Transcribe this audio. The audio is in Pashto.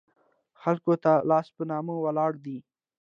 خلکو ته لاس په نامه ولاړ دي.